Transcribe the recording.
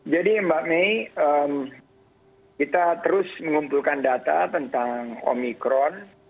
jadi mbak may kita terus mengumpulkan data tentang omikron